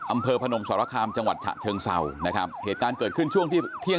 พนมสรคามจังหวัดฉะเชิงเศร้านะครับเหตุการณ์เกิดขึ้นช่วงที่เที่ยง